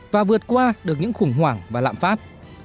và vượt qua được những khủng hoảng và lạm phát